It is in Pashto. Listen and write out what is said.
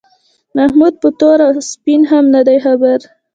محمود په تور او سپین هم نه دی خبر.